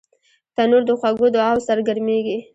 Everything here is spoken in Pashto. تنور د خوږو دعاوو سره ګرمېږي